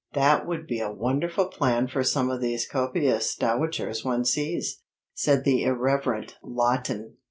"That would be a wonderful plan for some of these copious dowagers one sees," said the irreverent Lawton.